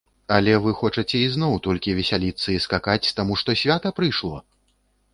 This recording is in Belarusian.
Але вы хочаце ізноў толькі весяліцца і скакаць таму што свята прыйшло?